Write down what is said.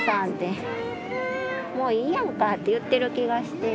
もういいやんかって言ってる気がして。